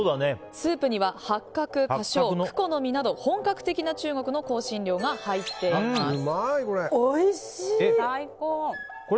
スープには八角、花椒クコの実など本格的な中国の香辛料がうまい、これ！